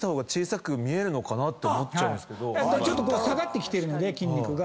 ちょっと下がってきてる筋肉が。